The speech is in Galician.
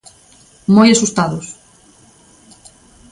Moi asustados.